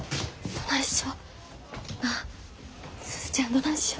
どないしよ。